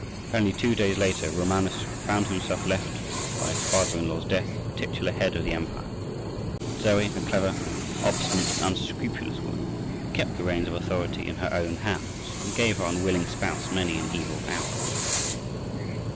Only two days later Romanus found himself left, by his father in law's death, titular head of the empire. But Zoe, a clever, obstinate, and unscrupulous woman, kept the reins of authority in her own hands, and gave her unwilling spouse many an evil hour.